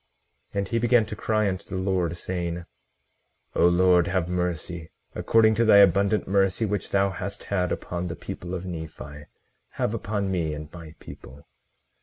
18:41 And he began to cry unto the Lord, saying: O Lord, have mercy; according to thy abundant mercy which thou hast had upon the people of Nephi, have upon me, and my people.